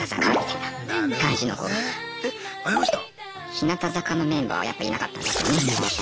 日向坂のメンバーはやっぱいなかったですよね。